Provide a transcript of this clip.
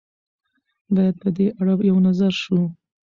باید په دې اړه یو نظر شو.